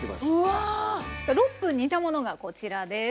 ６分煮たものがこちらです。